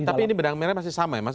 tapi ini benang merah masih sama ya